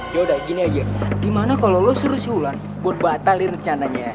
ya udah gini aja gimana kalo lo suruh si ulan buat batalin rencananya